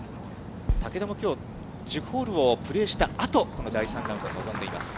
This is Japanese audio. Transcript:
竹田もきょう、１０ホールをプレーしたあと、この第３ラウンド臨んでいます。